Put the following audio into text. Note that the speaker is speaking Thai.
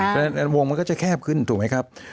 แต่งั้นวงมันก็จะแคบขึ้นถูกไหมครับ